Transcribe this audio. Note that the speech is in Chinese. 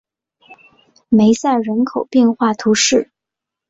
梅塞人口变化图示